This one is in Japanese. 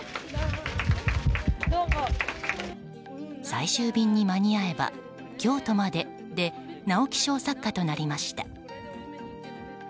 「最終便に間に合えば京都まで」で直木賞作家となりました。